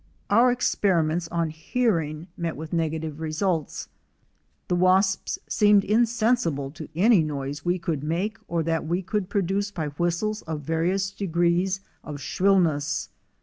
Our experiments on hearing met with negative results. The wasps seemed insensible to any noise we could make or that we could produce by whistles of various degrees of shrillness.